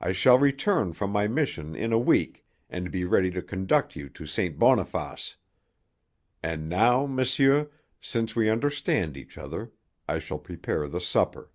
I shall return from my mission in a week and be ready to conduct you to St. Boniface. And now, monsieur, since we understand each other, I shall prepare the supper."